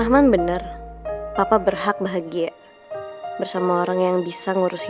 mama yang di rumah